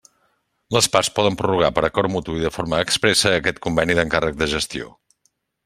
Les parts poden prorrogar per acord mutu i de forma expressa aquest Conveni d'encàrrec de gestió.